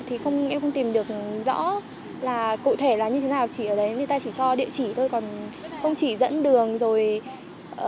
thì em không tìm được rõ là cụ thể là như thế nào chỉ ở đấy người ta chỉ cho địa chỉ thôi còn không chỉ dẫn đường rồi lịch trình như thế nào ạ